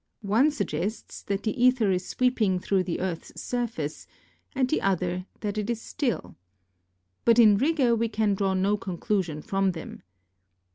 One suggests that the aether is sweeping through the earth's surface, and the other that it is still. But in rigour we can draw no conclusion from them.